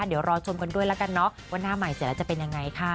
เดี๋ยวรอชมกันด้วยแล้วกันเนาะว่าหน้าใหม่เสร็จแล้วจะเป็นยังไงค่ะ